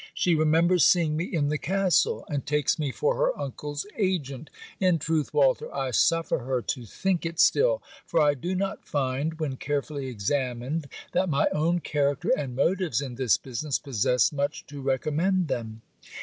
She remembers seeing me in the castle, and takes me for her uncle's agent. In truth, Walter, I suffer her to think it still; for I do not find, when carefully examined, that my own character and motives in this business possess much to recommend them.